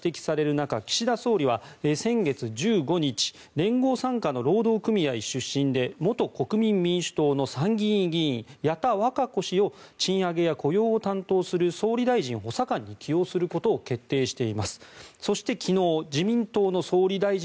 中岸田総理は先月１５日連合傘下の労働組合出身で元国民民主党の参議院議員矢田稚子氏を賃上げや雇用を担当する総理大臣補佐官に起用することを決定しています。